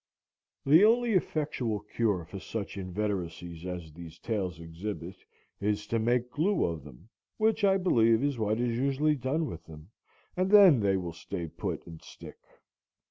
The only effectual cure for such inveteracies as these tails exhibit is to make glue of them, which I believe is what is usually done with them, and then they will stay put and stick.